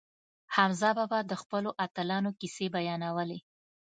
حمزه بابا د خپلو اتلانو کیسې بیانولې.